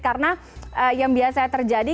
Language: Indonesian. karena yang biasa terjadi